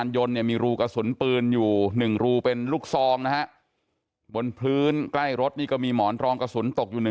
อยู่๑รูเป็นลูกซอมนะบนพื้นใกล้รถนี่ก็มีหมอนรองกระสุนตกอยู่